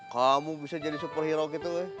kamu bisa jadi superhero gitu